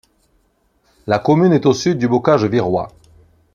La commune est au sud du Bocage virois.